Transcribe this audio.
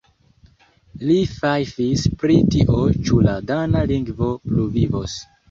Li fajfis pri tio ĉu la dana lingvo pluvivos.